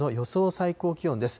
最高気温です。